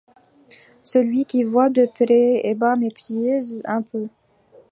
Celui qui voit de près et bas méprise un peu